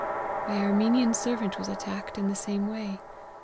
My Armenian servant was attack ed in the same way.